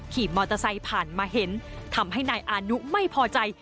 ขี่มอเตอร์ไซค์ผ่านมาเห็นทำให้นายอานุไม่พอใจ